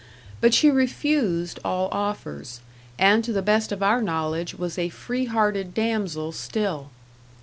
But she refused all offers, and to the best of our knowledge was a free hearted damsel still.